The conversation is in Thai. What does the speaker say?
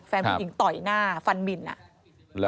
ผู้หญิงต่อยหน้าฟันหมินอ่ะ